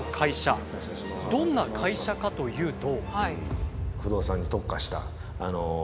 どんな会社かというと。